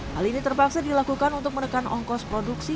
hal ini terpaksa dilakukan untuk menekan ongkos produksi